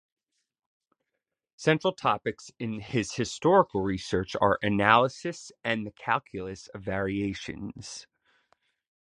Central topics in his historical research are analysis and the calculus of variations.